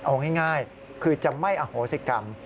เอาง่ายคือจะไม่อโหสิกรรม